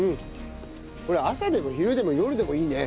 これ朝でも昼でも夜でもいいね。